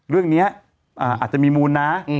เรื่องนี้อาจจะมีมูลนะ